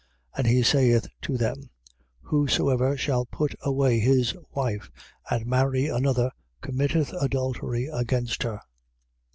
10:11. And he saith to them: Whosoever shall put away his wife and marry another committeth adultery against her.